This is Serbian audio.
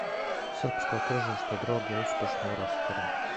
Српско тржиште дроге успешно је растурено.